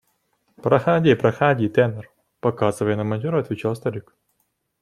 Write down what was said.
– Проходи, проходи, тенор, – показывая на монтера, отвечал старик.